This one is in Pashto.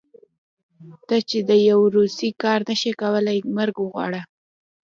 ته چې د يو روسي کار نشې کولی مرګ وغواړه.